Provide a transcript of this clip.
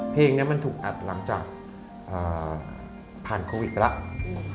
เพลงนี้มันถูกอัดหลังจากผ่านโควิดไปแล้ว